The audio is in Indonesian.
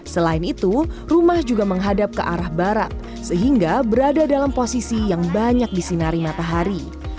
selain itu rumah juga menghadap ke arah barat sehingga berada dalam posisi yang banyak disinari matahari